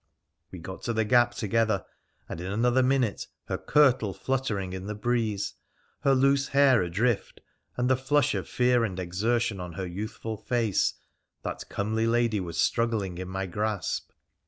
We got to the gap together, and, in another minute, her kirtle fluttering in the breeze, her loose hair adrift, and the flush of fear and exertion on her youthful face, that comely lady was struggling in my grasp.